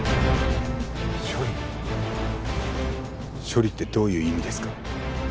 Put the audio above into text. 処理ってどういう意味ですか？